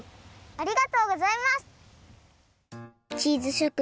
ありがとうございます！